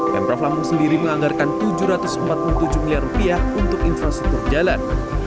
pemprov lampung sendiri menganggarkan rp tujuh ratus empat puluh tujuh miliar rupiah untuk infrastruktur jalan